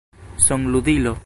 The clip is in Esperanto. Son-ludilo